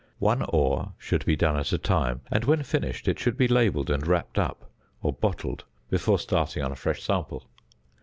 One ore should be done at a time, and when finished, it should be labelled and wrapped up, or bottled, before starting on a fresh sample.